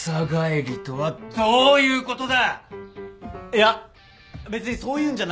いや別にそういうんじゃなくて。